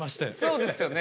そうですよね。